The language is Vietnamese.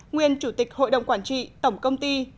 nguyên chủ tịch hội đồng quản trị tổng công ty